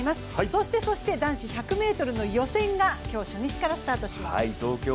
そして、そして男子１００ｍの予選が今日、初日からスタートします。